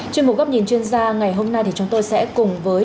chuyên mục góc nhìn chuyên gia ngày hôm nay thì chúng tôi sẽ cùng với